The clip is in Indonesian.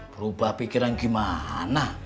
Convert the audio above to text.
berubah pikiran gimana